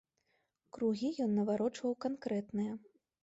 Кругі ён наварочваў канкрэтныя.